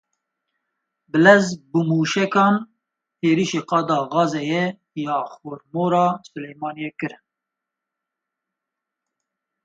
Bilez Bi mûşekan êrişî qada gazê ya Xor Mor a Silêmaniyê kirin..